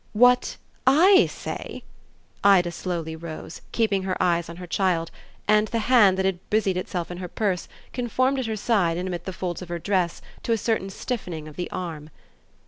"What 'I' say?" Ida slowly rose, keeping her eyes on her child, and the hand that had busied itself in her purse conformed at her side and amid the folds of her dress to a certain stiffening of the arm.